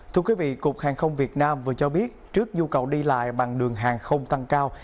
thưa quý vị cục hàng không việt nam vừa cho biết trước nhu cầu đi lại bằng đường hàng không tăng cao